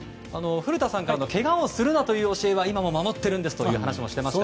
古田さんからのけがをするなという教えは今も守っているんですとお話をしていました。